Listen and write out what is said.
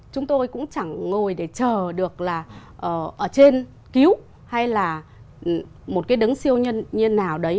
chúng tôi cũng chẳng ngồi để chờ được là ở trên cứu hay là một cái đứng siêu nhân như thế nào đấy